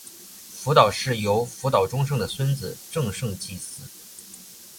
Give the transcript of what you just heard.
福岛氏由福岛忠胜的孙子正胜继嗣。